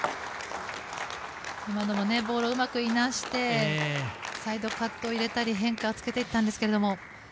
今のもボールをうまくいなしてサイドカットを入れたり、変化をつけていったんですけども。